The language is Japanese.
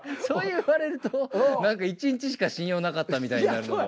そう言われると何か１日しか信用なかったみたいになるので。